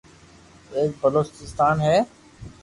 ايڪ بلوچستان ھي